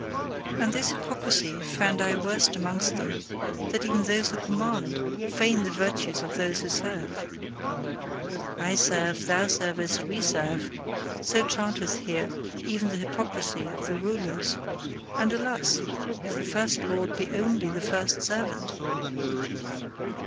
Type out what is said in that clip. And this hypocrisy found I worst amongst them, that even those who command feign the virtues of those who serve. "I serve, thou servest, we serve" so chanteth here even the hypocrisy of the rulers and alas! if the first lord be ONLY the first servant!